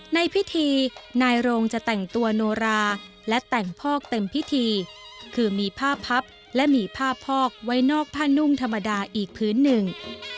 ในพิธีนายโรงจะแต่งตัวโนราและแต่งพอกเต็มพิธีคือมีผ้าพับและมีผ้าพอกไว้นอกผ้านุ่งธรรมดาอีกพื้นหนึ่ง